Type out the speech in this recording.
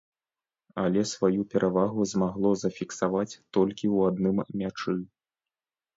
Але сваю перавагу змагло зафіксаваць толькі ў адным мячы.